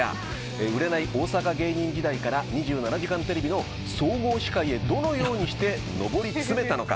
売れない大阪芸人時代から２７時間テレビの総合司会へどのようにして登り詰めたのか。